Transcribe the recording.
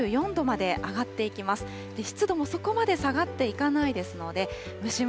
日中は２４度まで上がっていきます。